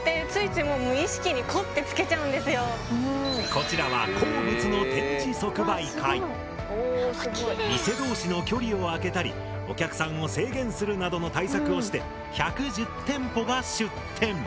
こちらは店同士の距離を空けたりお客さんを制限するなどの対策をして１１０店舗が出店。